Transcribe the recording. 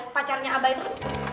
pacarnya abah itu